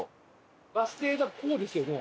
バス停がこうですよね？